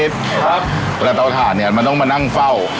เวลาเตาถ่านเนี่ยมันต้องมานั่งเฝ้า